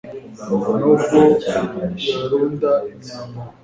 nubwo yarunda imyambaro